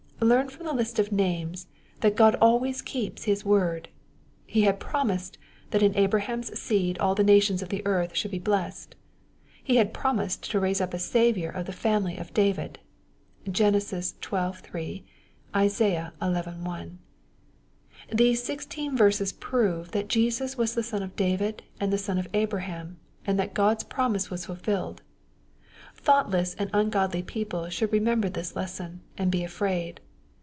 Learn from this list of names, that Ood always keeps His word. He had promised, that in Abraham's seed all the nations of the earth should be blessed. He had promised to raise up a Saviour of the family of David. (Gen. xii. 3 ; Isaiah xi. 1.) These sixteen verses prove, that Jesus was the son of David and the son of Abra ham, and that Grod's promise was fulfilled. — Thoughtless and ungodly people should remember this lesson, and be afraid.